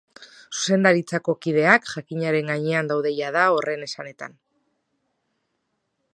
Zuzendaritzako kideak jakinaren gainean daude jada, horren esanetan.